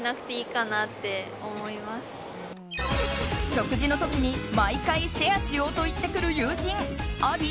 食事の時に毎回シェアしようと言ってくる友人あり？